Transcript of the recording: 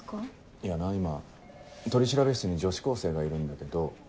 いやな今取調室に女子高生がいるんだけど。